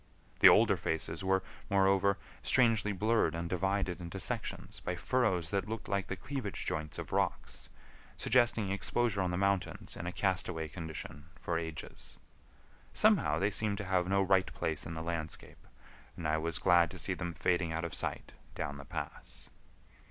The older faces were, moreover, strangely blurred and divided into sections by furrows that looked like the cleavage joints of rocks, suggesting exposure on the mountains in a castaway condition for ages. Somehow they seemed to have no right place in the landscape, and I was glad to see them fading out of sight down the pass.